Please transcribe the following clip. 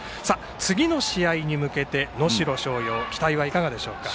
次の試合に向けて能代松陽の期待はいかがでしょうか？